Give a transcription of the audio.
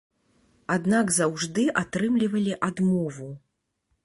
Аднак заўжды атрымлівалі адмову.